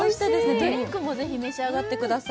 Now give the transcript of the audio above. ドリンクもぜひ召し上がってください。